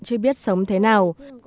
chưa biết sống thế nào